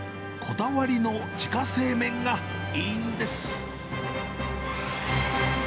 こだわりの自家製麺がいいんです。